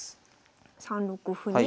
３六歩に。